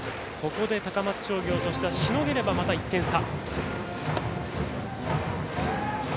ここで高松商業としてはしのげれば、まだ１点差。